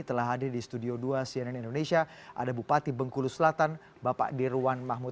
telah hadir di studio dua cnn indonesia ada bupati bengkulu selatan bapak dirwan mahmud